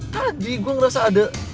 tadi gue ngerasa ada